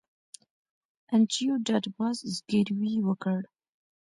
انډریو ډاټ باس زګیروی وکړ